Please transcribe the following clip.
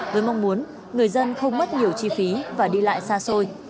với mong muốn người dân không mất nhiều chi phí và đi lại xa xôi